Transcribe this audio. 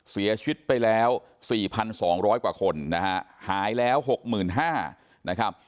เสียชีวิตไปแล้ว๔๒๐๐กว่าคนนะฮะหายแล้ว๖๕๐๐นะครับ